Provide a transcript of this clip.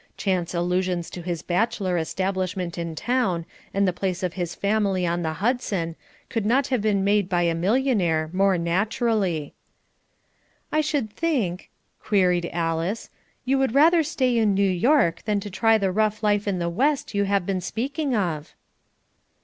Chance allusions to his bachelor establishment in town and the place of his family on the Hudson, could not have been made by a millionaire, more naturally. "I should think," queried Alice, "you would rather stay in New York than to try the rough life at the West you have been speaking of."